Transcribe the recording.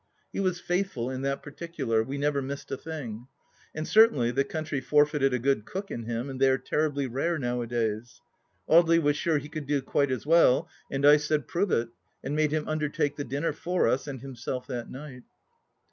He was faithful in that particular; we never missed a thing. And certainly the country forfeited a good cook in him, and they are terribly rare nowadays. Audely was sure he could do quite as well, and I said, Prove it ! and made him imdertake the dinner for us and himself that night.